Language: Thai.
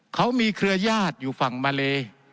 เขามีเครือญาติอยู่ฝั่งมาเล